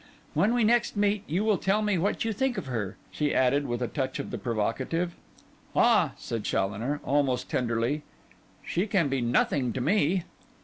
When we next meet, you will tell me what you think of her,' she added, with a touch of the provocative. 'Ah,' said Challoner, almost tenderly, 'she can be nothing to me.